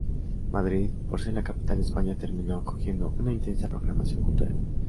Madrid, por ser la capital de España, terminó acogiendo una intensa programación cultural.